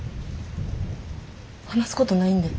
話すことないんで。